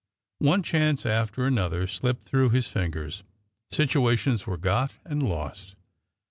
One chance after another slipped through his fingers; situations were got and lost.